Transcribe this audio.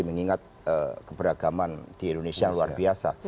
mengingat keberagaman di indonesia luar biasa